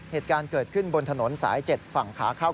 เหตุการณ์เกิดขึ้นบนถนนสาย๗ฝั่งขาเข้า